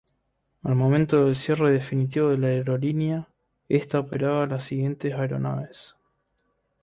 Al momento del cierre definitivo de la aerolínea, esta operaba las siguientes aeronaves.